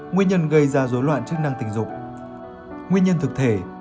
nguyên nhân thực thể